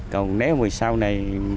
còn nếu mà sau này